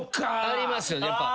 ありますよねやっぱ。